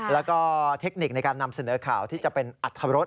แล้วก็เทคนิคในการนำเสนอข่าวที่จะเป็นอัตรรส